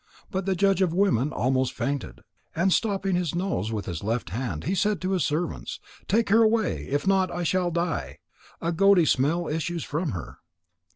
But the judge of women almost fainted, and stopping his nose with his left hand, he said to his servants: "Take her away! If not, I shall die. A goaty smell issues from her."